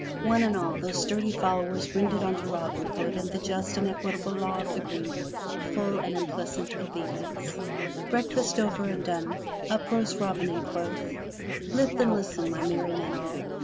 One and all, those sturdy followers rendered §| ^^yLB unto Robin Hood and the just and equable law of HB^^^^ the greenwood full and implicit obedience. ^^ Breakfast over and done, up rose Robin Hood and quoth: "Lith and listen, my merry men all.